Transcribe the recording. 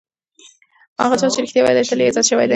هغه چا چې رښتیا ویلي، تل یې عزت شوی دی.